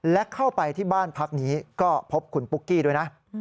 และเข้าไปที่บ้านพักนี้ก็พบคุณปุ๊กกี้ด้วยนะ